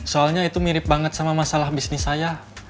soalnya itu mirip banget sama masalah bisnis saya